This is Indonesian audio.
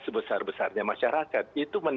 sebesar besarnya masyarakat itu